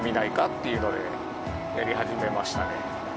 っていうのでやり始めましたね。